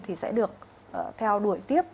thì sẽ được theo đuổi tiếp